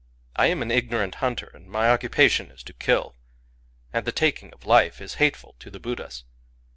I am an ignorant hunter, and my occupation is to kill; — and the taking of life is hateful to the Buddhas.